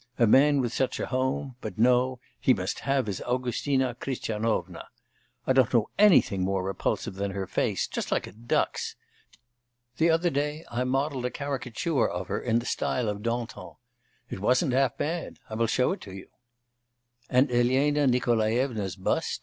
A man with such a home; but no, he must have his Augustina Christianovna! I don't know anything more repulsive than her face, just like a duck's! The other day I modelled a caricature of her in the style of Dantan. It wasn't half bad. I will show it you.' 'And Elena Nikolaevna's bust?